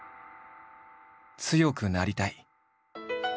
「強くなりたい」。